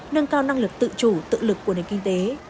nâng cao năng lực tự chủ tự lực của nền kinh tế